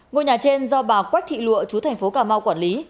ngôi nhà trên do bà quách thị lụa chú tp cà mau quản lý